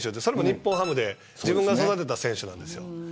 日本ハムで自分が育てた選手なんです。